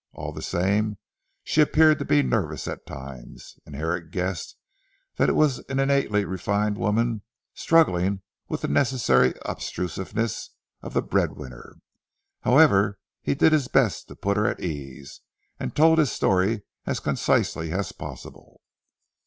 All the same she appeared to be nervous at times, and Herrick guessed that it was the innately refined woman struggling with the necessary obstrusiveness of the bread winner. However he did his best to put her at her ease, and told his story as concisely as possible.